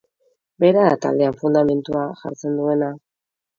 Bera da taldean fundamentua jartzen duena.